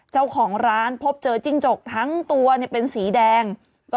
เจ้าของร้านพบเจอจิ้งจกทั้งตัวเป็นสีแดง